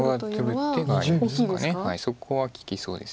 はいそこは利きそうです。